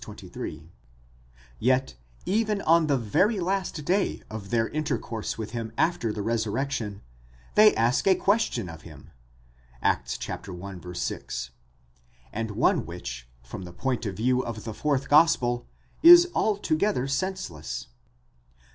23): yet even on the very last day of their intercourse with him after the resurrection, they ask a question of him (Acts i. 6), and one which from the point of view of the fourth gospel is altogether senseless.